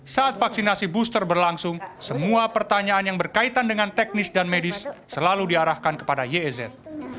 saat vaksinasi booster berlangsung semua pertanyaan yang berkaitan dengan teknis dan medis selalu diarahkan kepada yez